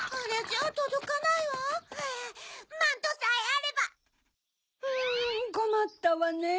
うんこまったわねぇ。